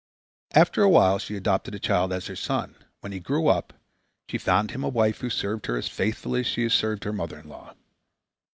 After a while she adopted a child as her son. When he grew up she found him a wife who served her as faithfully as she had served her mother in law.